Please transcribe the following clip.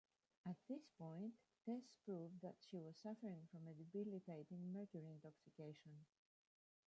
At this point tests proved that she was suffering from a debilitating mercury intoxication.